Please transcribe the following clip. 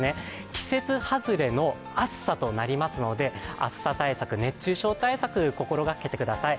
季節外れの暑さとなりますので、暑さ対策、熱中症対策、心がけてください。